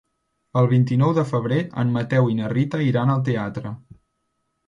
El vint-i-nou de febrer en Mateu i na Rita iran al teatre.